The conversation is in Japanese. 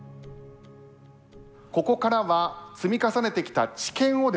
ここからは積み重ねてきた知見をですね